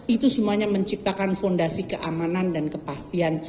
itu semuanya menciptakan fondasi keamanan dan kepastian